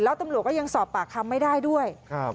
แล้วตำรวจก็ยังสอบปากคำไม่ได้ด้วยครับ